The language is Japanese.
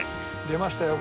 「出ましたよ